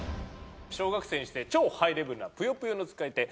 小学生にして超ハイレベルな「ぷよぷよ」の使い手